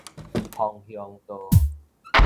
楓香道